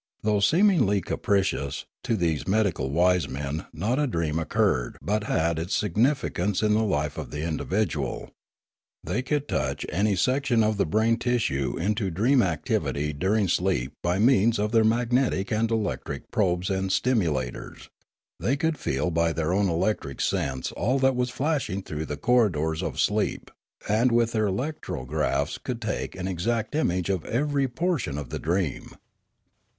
Though seemingly capricious, to these medical wise men not a dream occurred but had its significance in the life of the individual. They could touch any section of the brain tissue into dream activity during pleep by means of their magnetic and electric probes 2o Limanora and stimulators; they could feel by their own electric sense all that was flashing through the corridors of sleep; and, with their electrographs could take an exact image of every portion of the dream.